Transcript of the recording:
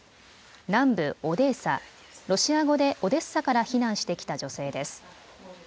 南部オデーサ、ロシア語でオデッサから避難してきた女性です。